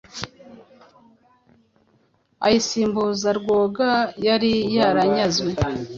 Ayisimbuza Rwoga yari yaranyazwe.